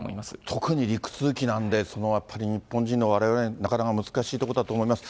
特に陸続きなんで、そのやっぱり日本人のわれわれ、なかなか難しいところだと思います。